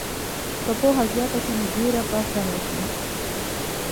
که پوهه زیاته شي، نو ویره به کمه شي.